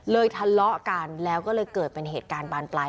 ทะเลาะกันแล้วก็เลยเกิดเป็นเหตุการณ์บานปลาย